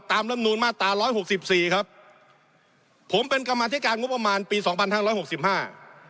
รำนูนมาตราร้อยหกสิบสี่ครับผมเป็นกรรมธิการงบประมาณปีสองพันห้าร้อยหกสิบห้า